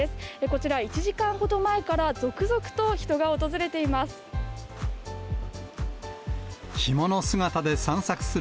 こちら、１時間ほど前から続々と人が訪れています。